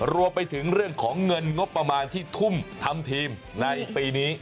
รวมไปถึงเรื่องของเงินงบประมาณที่ทุ่มทำทีมในปีนี้